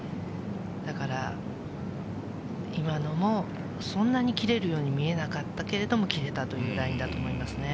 だから、今のもそんなに切れるように見えなかったけれども、切れたというラインだと思いますね。